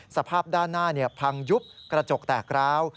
สภาพด้านหน้าพังยุบกระจกแตกร้าว